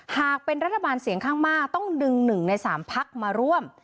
หากเป็นรัฐบาลเสียงข้างมากต้องดึง๑ใน๓พักมาร่วม